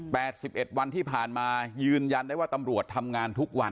สิบเอ็ดวันที่ผ่านมายืนยันได้ว่าตำรวจทำงานทุกวัน